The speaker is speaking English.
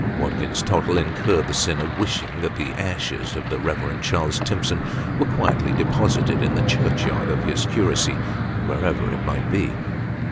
Watkins Tottle incurred the sin of wishing that the ashes of the Eeverend Charles Timson were quietly deposited in the churchyard of his curacy, wherever it might be.